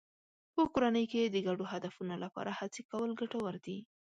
په کورنۍ کې د ګډو هدفونو لپاره هڅې کول ګټور دي.